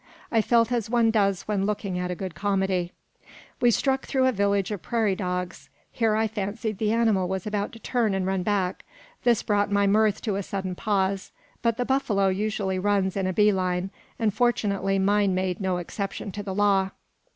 I felt as one does when looking at a good comedy. We struck through a village of prairie dogs. Here I fancied the animal was about to turn and run back. This brought my mirth to a sudden pause; but the buffalo usually runs in a bee line, and fortunately mine made no exception to the law.